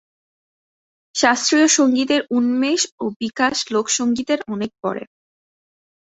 শাস্ত্রীয় সঙ্গীতের উন্মেষ ও বিকাশ লোকসঙ্গীতের অনেক পরে।